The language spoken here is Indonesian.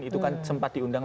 itu kan sempat diundang